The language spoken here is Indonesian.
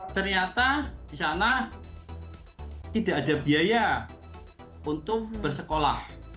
ternyata di sana tidak ada biaya untuk bersekolah